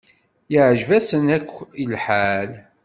Yeɛjeb-asen akk lḥal.